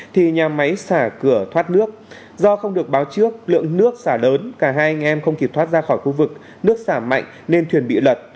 thì nhà máy xả cửa thoát nước do không được báo trước lượng nước xả lớn cả hai anh em không kịp thoát ra khỏi khu vực nước xả mạnh nên thuyền bị lật